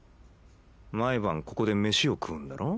毎晩ここで飯を食うんだろ？